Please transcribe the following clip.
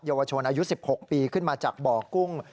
เยาวชนอายุ๑๖ปีขึ้นมาจากบ่อกุ้ง